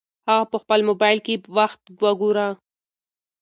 هغه په خپل موبایل کې وخت وګوره.